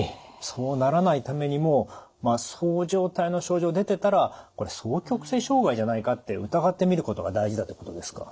そうならないためにもそう状態の症状出てたらこれ双極性障害じゃないかって疑ってみることが大事だってことですか？